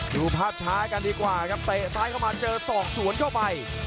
ดูภาพช้ากันดีกว่าครับเตะซ้ายเข้ามาเจอศอกสวนเข้าไป